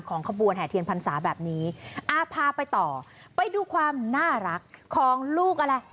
ขบวนแห่เทียนพรรษาแบบนี้อ่าพาไปต่อไปดูความน่ารักของลูกอะไร